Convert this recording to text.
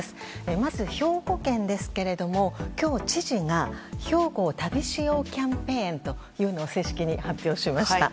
まず兵庫県ですが今日、知事がひょうごを旅しようキャンペーンというのを正式に発表しました。